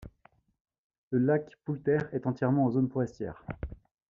Le lac Poulter est entièrement en zone forestière.